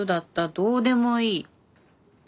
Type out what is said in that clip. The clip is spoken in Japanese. どうでもいい」。